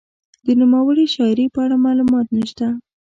د نوموړې شاعرې په اړه معلومات نشته.